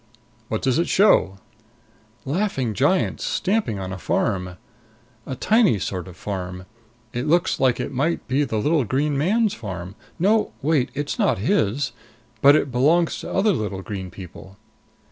"What does it show?" "Laughing giants stamping on a farm. A tiny sort of farm. It looks like it might be the little green man's farm. No, wait. It's not his! But it belongs to other little green people."